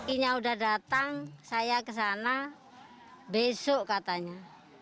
ini yang udah datang saya kesana besok katanya